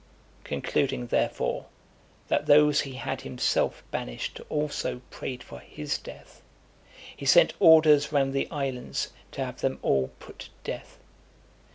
Concluding, therefore, that those he had himself banished also (272) prayed for his death, he sent orders round the islands to have them all put to death.